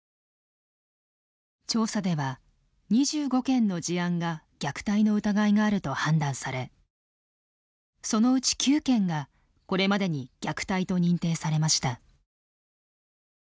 調査では２５件の事案が虐待の疑いがあると判断されそのうち９件がこれまでに虐待と認定されました。